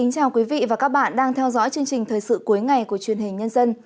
các bạn hãy đăng ký kênh để ủng hộ kênh của chúng mình nhé